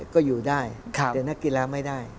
ก็อยู่ได้แต่นักกีฬาไม่ได้